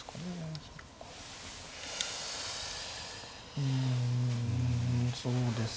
うんそうですね